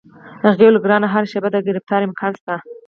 هغې وویل: ګرانه، هره شیبه د ګرفتارۍ امکان شته.